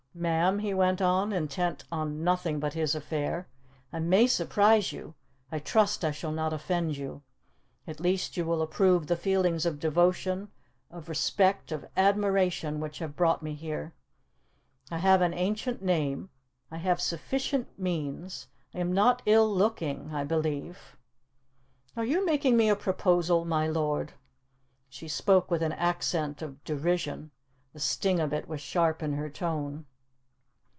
"Ma'am," he went on, intent on nothing but his affair, "I may surprise you I trust I shall not offend you. At least you will approve the feelings of devotion, of respect, of admiration which have brought me here. I have an ancient name, I have sufficient means I am not ill looking, I believe " "Are you making me a proposal, my lord?" She spoke with an accent of derision; the sting of it was sharp in her tone.